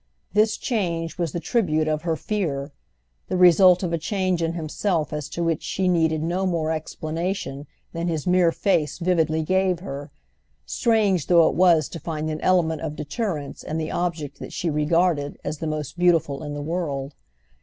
This change was the tribute of her fear—the result of a change in himself as to which she needed no more explanation than his mere face vividly gave her; strange though it was to find an element of deterrence in the object that she regarded as the most beautiful in the world.